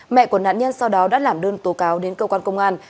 mẹ của nạn nhân sau đó đã làm đơn tố cáo đến cơ quan công an